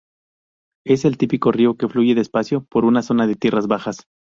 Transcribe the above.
Es el típico río que fluye despacio, por una zona de tierras bajas.